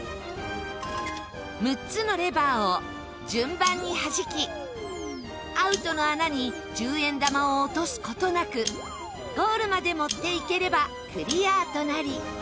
６つのレバーを順番に弾きアウトの穴に１０円玉を落とす事なくゴールまで持っていければクリアとなり。